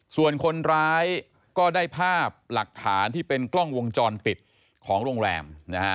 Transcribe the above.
ส่วนคนร้ายก็ได้ภาพหลักฐานที่เป็นกล้องวงจรปิดของโรงแรมนะฮะ